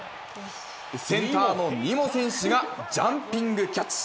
センターのニモ選手がジャンピングキャッチ。